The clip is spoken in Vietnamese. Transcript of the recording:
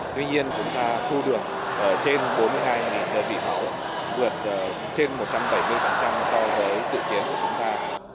tuy nhiên chúng ta thu được trên bốn mươi hai đơn vị máu vượt trên một trăm bảy mươi so với dự kiến của chúng ta